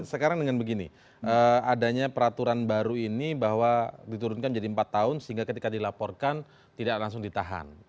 sekarang dengan begini adanya peraturan baru ini bahwa diturunkan menjadi empat tahun sehingga ketika dilaporkan tidak langsung ditahan